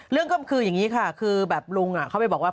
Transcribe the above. เรื่องก็คืออย่างนี้ค่ะคือแบบลุงเขาไปบอกว่า